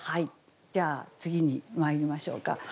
じゃあ次にまいりましょうか。